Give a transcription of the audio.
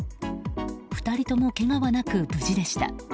２人ともけがはなく無事でした。